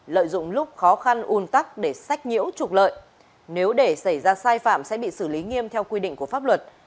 lợi dụng lúc khó khăn un tắc để sách nhiễu trục lợi nếu để xảy ra sai phạm sẽ bị xử lý nghiêm theo quy định của pháp luật